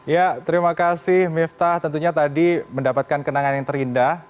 ya terima kasih miftah tentunya tadi mendapatkan kenangan yang terindah